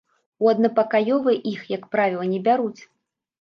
У аднапакаёвыя іх, як правіла, не бяруць.